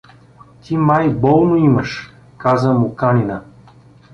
— Ти май болно имаш — каза Моканина.